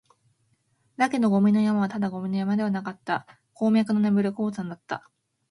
だけど、ゴミの山はただのゴミ山ではなかった、鉱脈の眠る鉱山だった